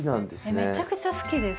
めちゃくちゃ好きです。